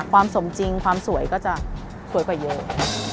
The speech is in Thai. ความสมจริงความสวยก็จะสวยกว่าเยอะ